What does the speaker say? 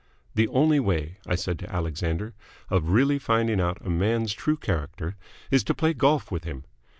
"The only way," I said to Alexander, "of really finding out a man's true character is to play golf with him.